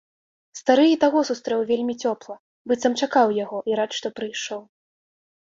Стары і таго сустрэў вельмі цёпла, быццам чакаў яго, і рад, што прыйшоў.